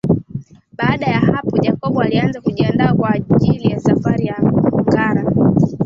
Baada yah apo Jacob alianza kujiandaa kwa ajili ya safari ya ngara